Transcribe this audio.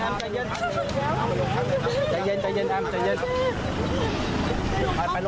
มันมันเจ็บเลย